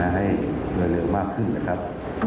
ให้รวดเร็วมากขึ้นนะครับ